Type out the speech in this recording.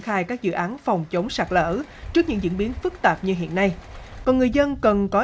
khai các dự án phòng chống sạt lỡ trước những diễn biến phức tạp như hiện nay còn người dân cần có